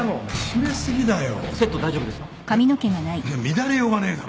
乱れようがねえだろ。